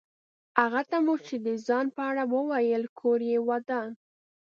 هغه ته مو چې د ځان په اړه وویل کور یې ودان.